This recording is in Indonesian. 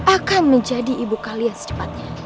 akan menjadi ibu kalian secepatnya